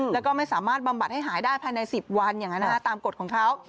แล้วก็ไม่สามารถบำบัดให้หายได้ภายใน๑๐วันอย่างนั้นตามกฎของเขา